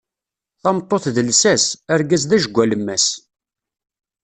Tameṭṭut d lsas, argaz d ajgu alemmas.